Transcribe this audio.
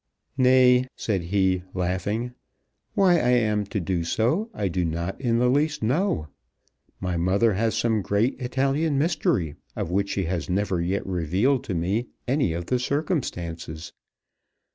"Nay," said he, laughing, "why I am to do so I do not in the least know. My mother has some great Italian mystery of which she has never yet revealed to me any of the circumstances.